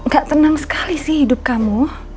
gak tenang sekali sih hidup kamu